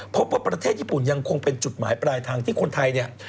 ประเทศญี่ปุ่นยังคงเป็นจุดหมายปลายทางที่คนไทยเนี่ย